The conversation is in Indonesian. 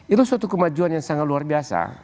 itu suatu kemajuan yang sangat luar biasa